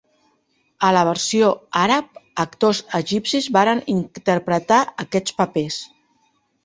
A la versió àrab, actors egipcis varen interpretar aquests papers.